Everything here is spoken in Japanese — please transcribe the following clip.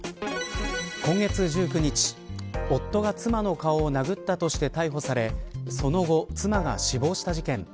今月１９日、夫が妻の顔を殴ったとして逮捕されその後、妻が死亡した事件。